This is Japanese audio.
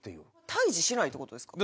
退治しないって事ですか？